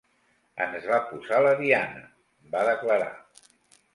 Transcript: Ens va posar la diana, va declarar.